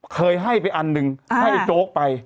เคยให้ไปอันหนึ่งให้ไอ้โจ๊กไป